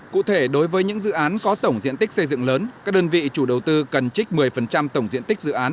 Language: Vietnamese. cụ thể đối với những dự án có tổng diện tích xây dựng lớn các đơn vị chủ đầu tư cần trích một mươi tổng diện tích dự án